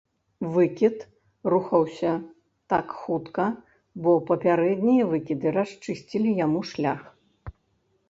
Выкід рухаўся так хутка, бо папярэднія выкіды расчысцілі яму шлях.